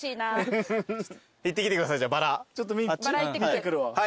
見てくるわ。